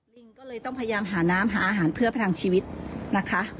ลิงก็เลยต้องพยายามหาน้ำหาอาหารเพื่อประทังชีวิตนะคะ